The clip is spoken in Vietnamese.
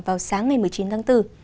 vào sáng ngày một mươi chín tháng bốn